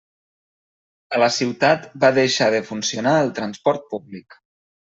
A la ciutat va deixar de funcionar el transport públic.